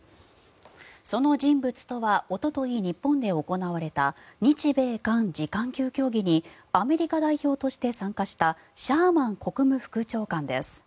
その人物とはおととい日本で行われた日米韓次官級協議にアメリカ代表として参加したシャーマン国務副長官です。